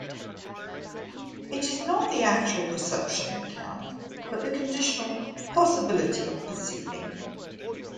It is not the "actual" perception that counts, but the conditional "possibility" of perceiving.